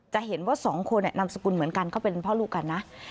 จะเห็นว่า๒คนเนี่ยนำสกุลเหมือนกันก็เป็นเพราะลูกกันนะ